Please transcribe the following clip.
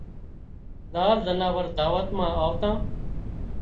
زار زناور دعوت مان آوتان